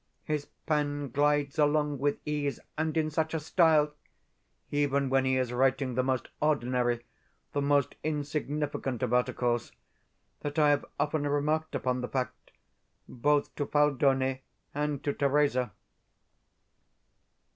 His pen glides along with ease, and in such a style (even when he is writing the most ordinary, the most insignificant of articles) that I have often remarked upon the fact, both to Phaldoni and to Theresa.